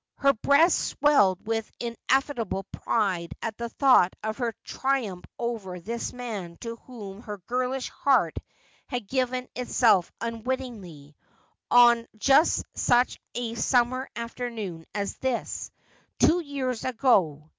Her breast swelled with ineifable pride at the thought of her triumph over this man to whom her girlish heart had given itself unwit tingly, on just such a summer afternoon as this, two years ago.